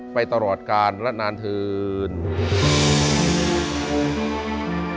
ไปตลอดกาลและนานเถิน